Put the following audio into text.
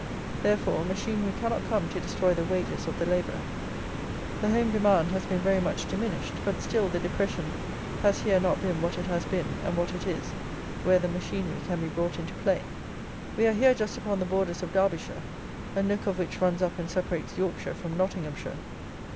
Therefore, machinery cannot come to destroy the wages of the labourer. The home demand has been very much diminished; but still the depression has here not been what it has been, and what it is, where the machinery can be brought into play. We are here just upon the borders of Derbyshire, a nook of which runs up and separates Yorkshire from Nottinghamshire.